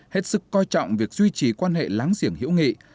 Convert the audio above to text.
hết sức coi trọng việc duy trì quan hệ láng giềng hữu nghị